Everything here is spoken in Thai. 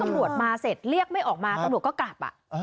ตำรวจมาเสร็จเรียกไม่ออกมาตำรวจก็กลับ